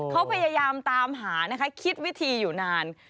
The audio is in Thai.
เขาพยายามตามหานะคะคิดวิธีอยู่นาน